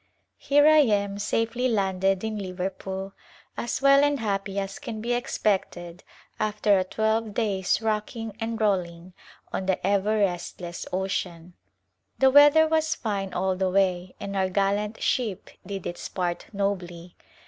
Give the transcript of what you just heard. Here I am, safely landed in Liverpool, as well and happy as can be expected after a twelve days' rocking and rolling on the ever restless ocean. The weather was fine all the way and our gallant ship did its part nobly.